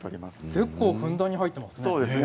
結構ふんだんに入っていますね。